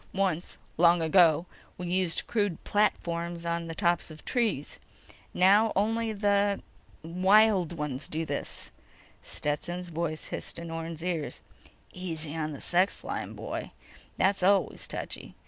Once—long ago—we used crude platforms on the tops of the trees. Now ... only the ... wild ones do this." Stetson's voice hissed in Orne's ears: _"Easy on the sex line, boy. That's always touchy.